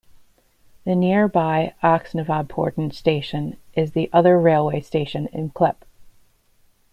The nearby Oksnevadporten Station is the other railway station in Klepp.